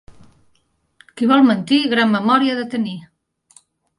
Qui vol mentir, gran memòria ha de tenir.